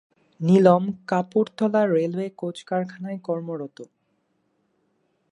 নীলম কাপুর্থালায় railway coach কারখানায় কর্মরত।